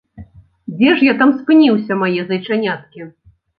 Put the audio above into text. Дзе ж я там спыніўся, мае зайчаняткі?